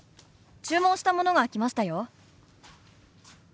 注文したものが来ましたよ。